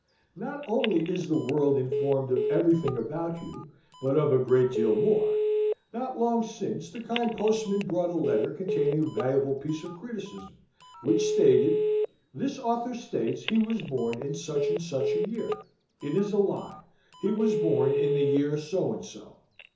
Not only is the world informed of everything about you, but of a great deal more. Not long since the kind postman brought a paper containing a valuable piece of criticism, which stated "This author states he was born in such and such a year. It is a lie. He was born in the year so and so."